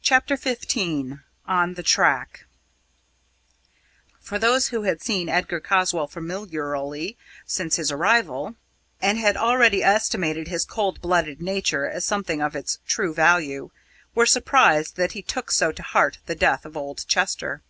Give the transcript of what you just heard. CHAPTER XV ON THE TRACK Those who had seen Edgar Caswall familiarly since his arrival, and had already estimated his cold blooded nature at something of its true value, were surprised that he took so to heart the death of old Chester.